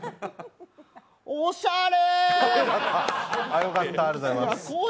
おしゃれ！